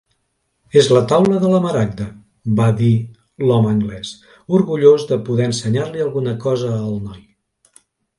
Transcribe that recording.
"És la Taula de la Maragda", va dir l'home anglès, orgullós de poder ensenyar-li alguna cosa al noi.